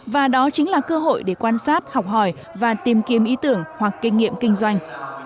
và đó chính là cơ hội để quan sát học hỏi và tìm kiếm ý tưởng hoặc kinh nghiệm kinh doanh